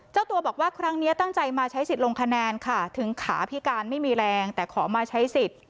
เจ้าตัวบอกว่าครั้งนี้ตั้งใจมาใช้สิทธิ์ลงคะแนนค่ะถึงขาพิการไม่มีแรงแต่ขอมาใช้สิทธิ์